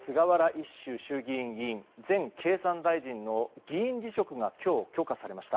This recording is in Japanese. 一秀衆議院議員前経済産業大臣の議員辞職が今日、許可されました。